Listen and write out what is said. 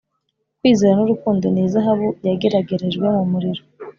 kwizera n’urukundo ni izahabu yageragerejwe mu muriro